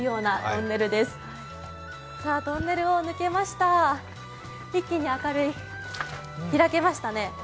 トンネルを抜けました一気に明るい、開けましたね。